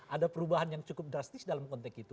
ada perubahan yang cukup drastis dalam konteks itu